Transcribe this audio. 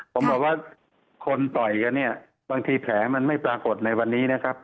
ผมบอกว่าคนต่อยกันเนี่ยบางทีแผลมันไม่ปรากฏในวันนี้นะครับ